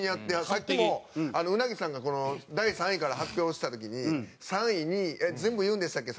さっきも鰻さんが第３位から発表した時に「３位２位全部言うんでしたっけ？